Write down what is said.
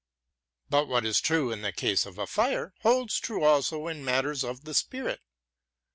But what is true in the case of a fire holds true also in matters of the spirit.